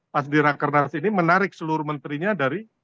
pas di rakernas ini menarik seluruh menterinya dari